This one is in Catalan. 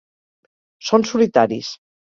Són solitaris.